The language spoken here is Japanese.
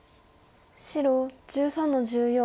白１３の十四。